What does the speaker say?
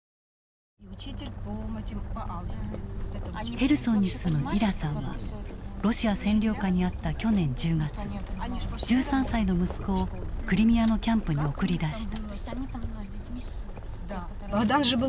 ヘルソンに住むイラさんはロシア占領下にあった去年１０月１３歳の息子をクリミアのキャンプに送り出した。